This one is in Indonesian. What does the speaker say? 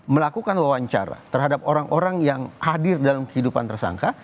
melakukan wawancara terhadap orang orang yang hadir dalam kehidupan tersangka